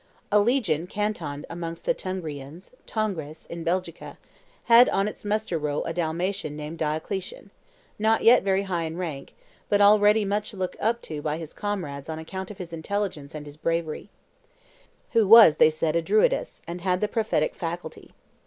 A legion cantoned amongst the Tungrians (Tongres), in Belgica, had on its muster roll a Dalmatian named Diocletian, not yet very high in rank, but already much looked up to by his comrades on account of his intelligence and his bravery. He lodged at a woman's, who was, they said, a Druidess, and had the prophetic faculty.